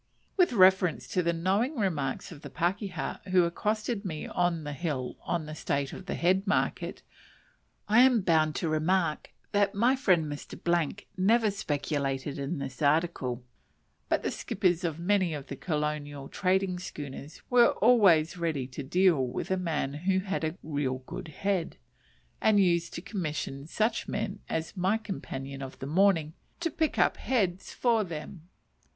With reference to the knowing remarks of the pakeha who accosted me on the hill on the state of the head market, I am bound to remark that my friend Mr. never speculated in this "article;" but the skippers of many of the colonial trading schooners were always ready to deal with a man who had "a real good head," and used to commission such men as my companion of the morning to "pick up heads" for them.